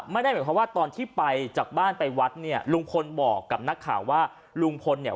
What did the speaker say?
ไม่ได้หมายความว่าตอนที่ไปจากบ้านไปวัดเนี่ยลุงพลบอกกับนักข่าวว่าลุงพลเนี่ย